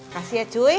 kasih ya cuy